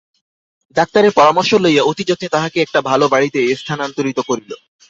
ডাক্তারের পরামর্শ লইয়া অতিযত্নে তাহাকে একটা ভালো বাড়িতে স্থানান্তরিত করিল।